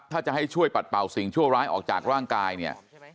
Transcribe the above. ถ้าจะให้ช่วยปัดเป่าสิ่งชั่วร้ายออกจากร่างกายเนี่ย